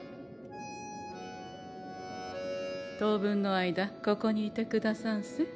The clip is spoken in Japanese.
当分の間ここにいてくださんせ。